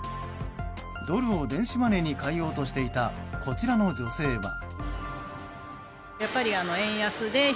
ドルを電子マネーに替えようとしていたこちらの女性は。